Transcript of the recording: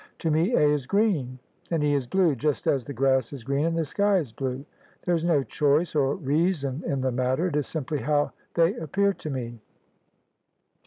To me A is green and E is blue, just as the grass is green and the sky is blue; there is no choice or reason in the matter. It is simply how they appear to me."